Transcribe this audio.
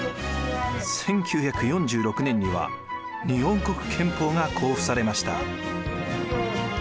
１９４６年には日本国憲法が公布されました。